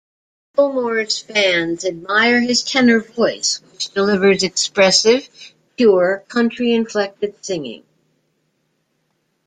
Gilmore's fans admire his tenor voice, which delivers expressive, pure, country-inflected singing.